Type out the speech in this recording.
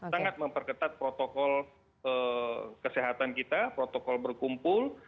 sangat memperketat protokol kesehatan kita protokol berkumpul